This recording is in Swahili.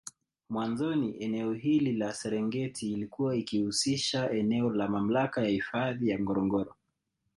Mwanzoni eneo hili la Serengeti ilikuwa ikihusisha eneo la Mamlaka ya hifadhi ya Ngorongoro